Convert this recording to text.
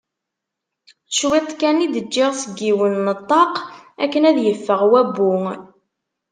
Cwiṭ kan i d-ǧǧiɣ seg yiwen n ṭṭaq akken ad yeffeɣ wabbu.